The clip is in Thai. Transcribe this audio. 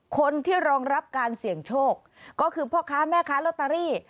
คนที่รองรับการเสี่ยงโชคก็คือพ่อค้าแม่ค้าลอตเตอรี่